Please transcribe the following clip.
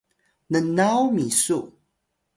nnaw misu